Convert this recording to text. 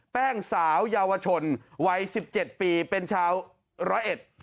แป้งสาวเยาวชนวัยสิบเจ็ดปีเป็นชาวร้อยเอ็ด